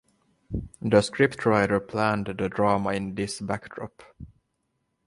The scriptwriter planned the drama in this backdrop.